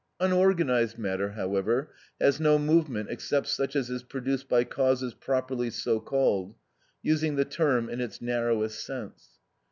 Unorganised matter, however, has no movement except such as is produced by causes properly so called, using the term in its narrowest sense.